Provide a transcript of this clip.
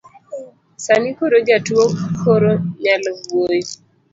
Sani koro jatuo koro nyalo wuoyo